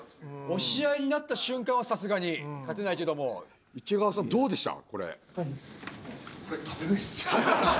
押し合いになった瞬間はさすがに勝てないけども池川さんどうでした？